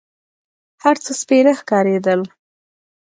هر څه سپېره ښکارېدل.